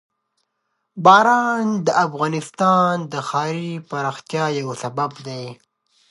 باران د افغانستان د ښاري پراختیا یو سبب دی.